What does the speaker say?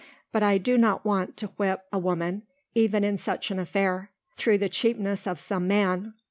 But I do not want to whip a woman, even in such an affair, through the cheapness of some man.